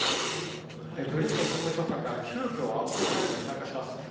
ブリンケン国務長官が急きょ安保理会合に参加します。